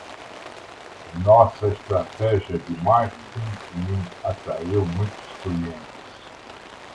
Nossa estratégia de marketing atraiu muitos clientes.